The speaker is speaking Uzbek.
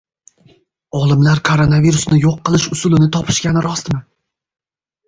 Olimlar koronavirusni yo‘q qilish usulini topishgani rostmi?